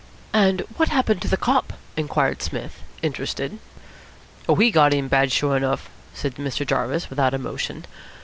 "And what happened to the cop?" inquired Psmith, interested. "Oh, he got in bad, sure enough," said Mr. Jarvis without emotion.